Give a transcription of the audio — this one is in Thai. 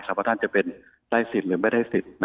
ว่าท่านจะเป็นได้สิทธิ์หรือไม่ได้สิทธิ์